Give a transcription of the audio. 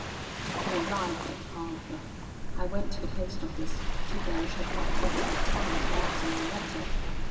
"We arrived at Havre. I went to the post office: Tiberge had not yet had time to answer my letter.